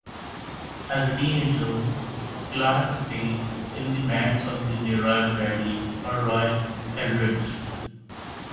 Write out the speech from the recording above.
As a teenager, Clarke played in the bands of Leroy Bradley and Roy Eldridge.